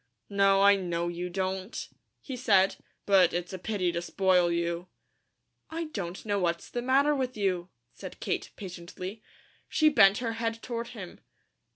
"No, I know you don't," he said. "But it's a pity to spoil you." "I don't know what's the matter with you," said Kate, patiently. She bent her head toward him.